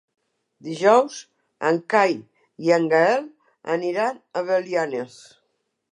Dijous en Cai i en Gaël aniran a Belianes.